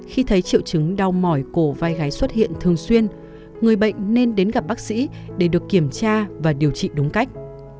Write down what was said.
khi thấy triệu chứng đau mỏi cổ vai gái xuất hiện thường xuyên người bệnh nên đến gặp bác sĩ để được kiểm tra và điều trị đúng cách